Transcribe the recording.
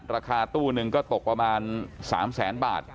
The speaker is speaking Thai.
ราคาตู้นึงก็ตกประมาณ๓แสนบาท